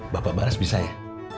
bapak baras bisa ya